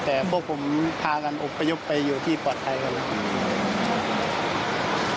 แต่พวกผมพากันอบประยุกต์ไปอยู่ที่ปลอดภัยกัน